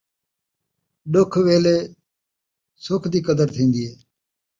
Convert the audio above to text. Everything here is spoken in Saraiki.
ݙکھ ویلھے ، سکھ دی قدر تھین٘دی ہے